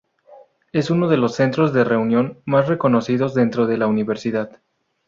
Es uno de los centros de reunión más reconocidos dentro de la Universidad.